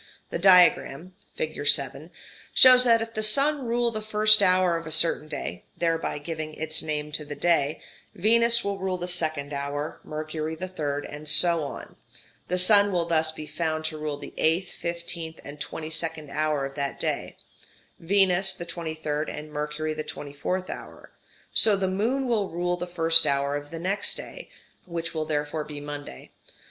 The diagram (fig. 7) shows that if the Sun rule the first hour of a certain day (thereby giving its name to the day) Venus will rule the second hour, Mercury the third, and so on; the Sun will thus be found to rule the eighth, fifteenth, and twenty second hour of that day, Venus the twenty third, and Mercury the twenty fourth hour; so the Moon will rule the first hour of the next day, which will therefore be Monday.